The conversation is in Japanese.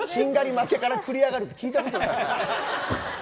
負けから繰り上がるって聞いたことがない。